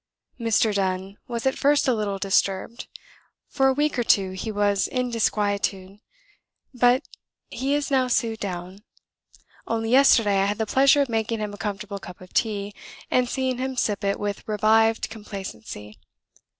Mr. Donne was at first a little disturbed; for a week or two he was in disquietude, but he is now soothed down; only yesterday I had the pleasure of making him a comfortable cup of tea, and seeing him sip it with revived complacency.